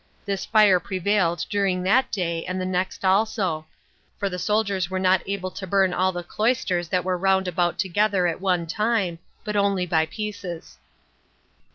This fire prevailed during that day and the next also; for the soldiers were not able to burn all the cloisters that were round about together at one time, but only by pieces.